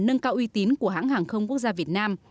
nâng cao uy tín của hãng hàng không quốc gia việt nam